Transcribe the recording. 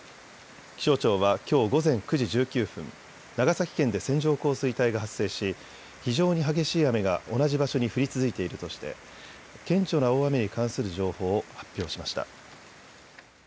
気象庁はきょう午前９時１９分、長崎県で線状降水帯が発生し非常に激しい雨が同じ場所に降り続いているとして顕著な大雨に関する情報を発表しました。